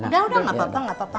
gak tau gak tau gak tau